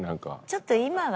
ちょっと今はね。